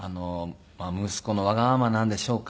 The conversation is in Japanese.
息子のわがままなんでしょうか。